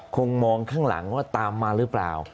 คงมองข้างหลังว่าตามมาหรือเปล่า